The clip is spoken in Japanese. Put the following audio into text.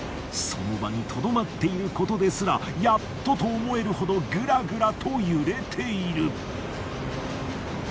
その場にとどまっていることですらやっとと思えるほどグラグラと揺れている。